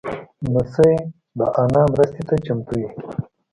لمسی د نیا مرستې ته چمتو وي.